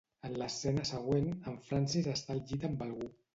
En l'escena següent, en Francis està al llit amb algú.